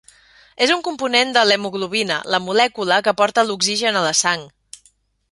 És un component de l'hemoglobina, la molècula que porta l'oxigen a la sang.